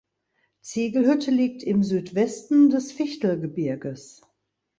Ziegelhütte liegt im Südwesten des Fichtelgebirges.